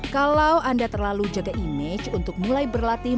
kalau anda terlalu jaga image untuk mulai berlatih